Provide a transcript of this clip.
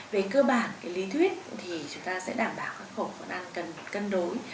về cơ bản lý thuyết thì chúng ta sẽ đảm bảo các khẩu phần ăn cần cân đối